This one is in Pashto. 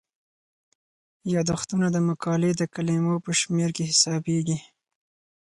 یادښتونه د مقالې د کلمو په شمیر کې حسابيږي.